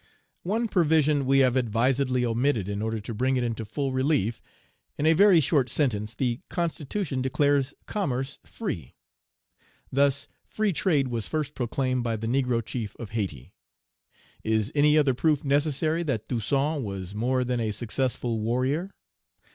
One provision we have advisedly omitted in order to bring it into full relief. In a very short sentence the constitution declares commerce free. Thus free trade was first proclaimed by the negro chief of Hayti. Is any other proof necessary that Toussaint was more than a successful warrior?